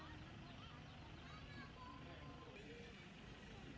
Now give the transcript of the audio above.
เป็นมีส่วนตัวของหนี